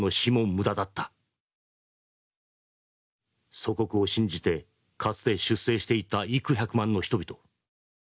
祖国を信じてかつて出征していった幾百万の人々。